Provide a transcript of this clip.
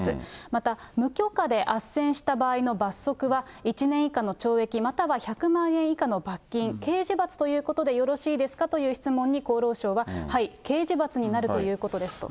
また無許可であっせんした場合の罰則は１年以下の懲役または１００万円以下の罰金、刑事罰ということでよろしいですかという質問に、厚労省は、はい、刑事罰になるということですと。